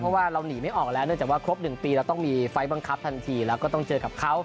เพราะว่าเราหนีไม่ออกแล้วเนื่องจากว่าครบ๑ปีเราต้องมีไฟล์บังคับทันทีแล้วก็ต้องเจอกับเขา